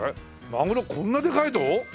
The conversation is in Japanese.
マグロこんなでかいぞ？